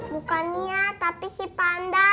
bukan niat tapi si panda